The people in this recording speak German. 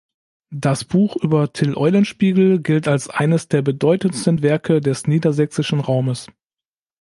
Das Buch über Till Eulenspiegel gilt als eines der bedeutendsten Werke des niedersächsischen Raumes.